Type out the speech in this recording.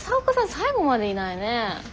最後までいないね。